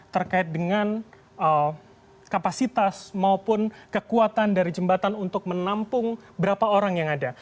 terkait dengan kapasitas maupun kekuatan dari jembatan untuk menampung berapa orang yang ada